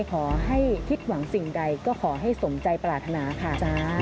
ขอให้คิดหวังสิ่งใดก็ขอให้สมใจปรารถนาค่ะ